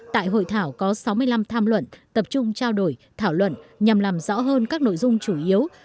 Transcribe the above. tại hội thảo có sáu mươi năm tham luận tập trung trao đổi thảo luận nhằm làm rõ hơn các nội dung chủ yếu